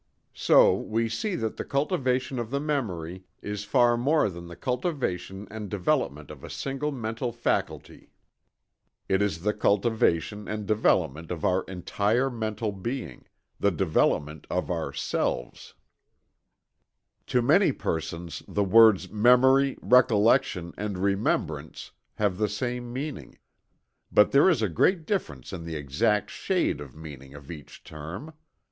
So, we see that the cultivation of the memory is far more than the cultivation and development of a single mental faculty it is the cultivation and development of our entire mental being the development of our selves. To many persons the words memory, recollection, and remembrance, have the same meaning, but there is a great difference in the exact shade of meaning of each term.